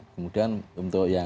kemudian untuk yang